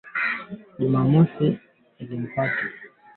Kamasi au uchafu kutokea puani pamoja na mate kudondoka